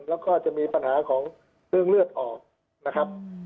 แล้วก็จะมีปัญหาของเรื่องเลือดออกนะครับ